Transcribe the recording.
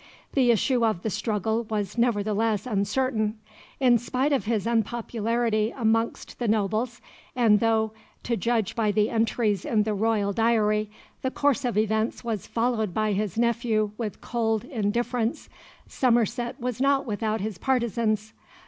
The issue of the struggle was nevertheless uncertain. In spite of his unpopularity amongst the nobles, and though, to judge by the entries in the royal diary, the course of events was followed by his nephew with cold indifference, Somerset was not without his partisans.